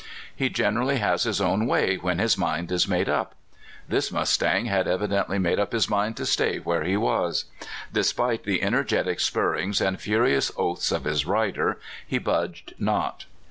He generally has his own way when his mind is made up. This mustang had evidently made up his mind to stay where he was. Despite the ener getic spurrings and furious oaths of his rider, he budged not.